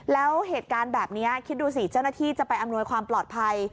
แล้วเหตุการณ์แบบนี้คิดดูสิเจ้าหน้าที่จะไปอำนวยความปลอดภัย